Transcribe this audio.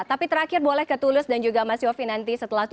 tapi terakhir boleh ke tulus dan juga mas syafi nanti setelah itu